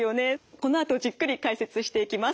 このあとじっくり解説していきます。